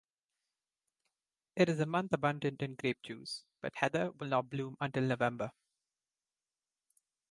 It is a month abundant in grape juice; but heather will not bloom until November.